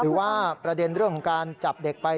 หรือว่าประเด็นเรื่องของการจับเด็กไป